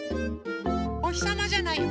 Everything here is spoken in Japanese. おひさまじゃないよ。